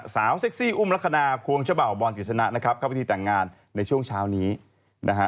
เซ็กซี่อุ้มลักษณะควงเจ้าบ่าวบอลกิจสนะนะครับเข้าพิธีแต่งงานในช่วงเช้านี้นะฮะ